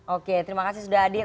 oke terima kasih sudah hadir